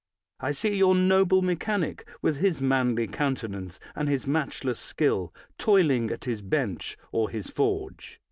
I see your noble mechanic with his manly countenance and his matchless skill, toiling at his bench or his forge.